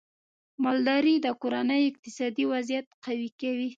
مالدارۍ د کورنیو اقتصادي وضعیت قوي کوي.